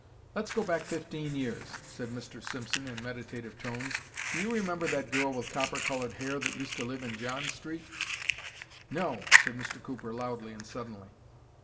"Let's go back fifteen years," said Mr. Simpson in meditative tones. "Do you remember that girl with copper coloured hair that used to live in John Street?" "No!" said Mr. Cooper, loudly and suddenly.